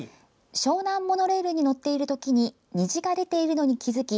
湘南モノレールに乗っているときに虹が出ているのに気付き